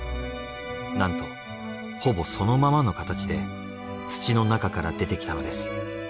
なんとほぼそのままの形で土の中から出てきたのです。